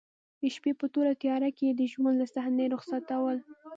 د شپې په توره تیاره کې به یې د ژوند له صحنې رخصتول.